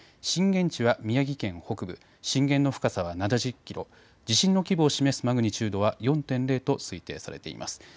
震源地は宮城県北部、震源の深さは７０キロ、地震の規模を示すマグニチュードは４．０と推定されています。